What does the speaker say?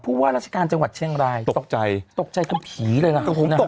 ว่าราชการจังหวัดเชียงรายตกใจตกใจเป็นผีเลยล่ะ